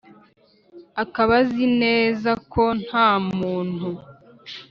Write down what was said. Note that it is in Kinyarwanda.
Akaba Azi Neza Ko Nta Muntu